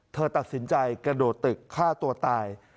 เธอตัดสินใจกระโดดตึกฆ่าตัวตาย